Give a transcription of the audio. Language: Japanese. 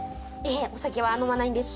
いえお酒は飲まないんです。